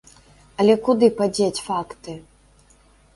Але куды падзець факты?